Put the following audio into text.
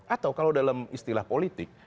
atau kalau dalam istilah politik